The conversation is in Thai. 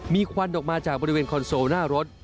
มีควันออกมาจากบริเวณคอนโซลหน้ารถ